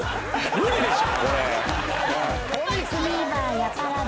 無理でしょ